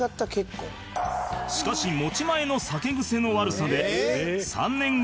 しかし持ち前の酒癖の悪さで３年後に離婚